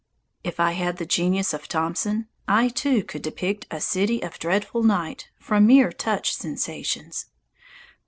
If I had the genius of Thomson, I, too, could depict a "City of Dreadful Night" from mere touch sensations.